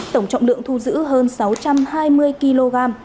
tổng trọng lượng thu giữ hơn sáu trăm hai mươi kg